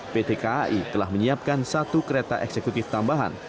pt kai telah menyiapkan satu kereta eksekutif tambahan